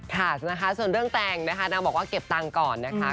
ค่ะนะคะส่วนเรื่องแต่งนะคะนางบอกว่าเก็บตังค์ก่อนนะคะ